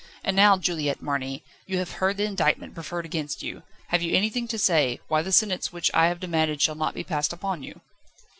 And now, Juliette Marny, you have heard the indictment preferred against you, have you anything to say, why the sentence which I have demanded shall not be passed upon you?"